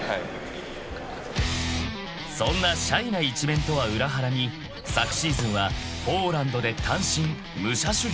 ［そんなシャイな一面とは裏腹に昨シーズンはポーランドで単身武者修行］